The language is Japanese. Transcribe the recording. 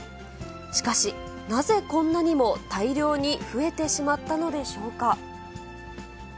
しかし、なぜこんなにも大量に増えてしまったのでしょうか。